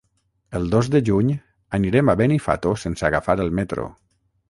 El dos de juny anirem a Benifato sense agafar el metro.